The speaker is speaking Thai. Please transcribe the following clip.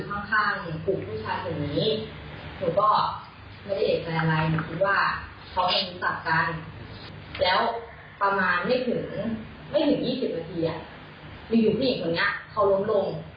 เป็นกวยคุณเพื่อนเขาล้ม